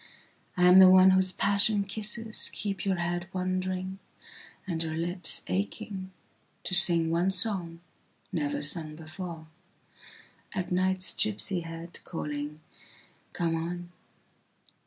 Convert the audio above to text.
I am the one whose passion kisseskeep your head wonderingand your lips achingto sing one songnever sung beforeat night's gipsy headcalling: Come on.